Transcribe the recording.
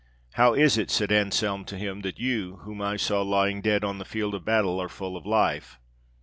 'How is it,' said Anselme to him, 'that you, whom I saw lying dead on the field of battle, are full or life?'